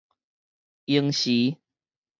下昏時